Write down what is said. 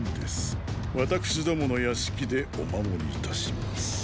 私どもの屋敷でお守り致します。